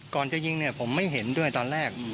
ก่อนจะยิงเนี่ยผมไม่เห็นด้วยตอนแรก